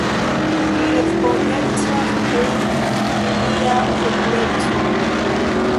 Ĝi respondecas pri ilia sekureco.